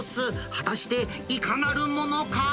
果たしていかなるものか？